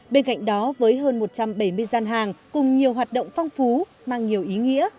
bên cạnh đó với hơn một trăm bảy mươi gian hàng cùng nhiều hoạt động phong phú mang nhiều ý nghĩa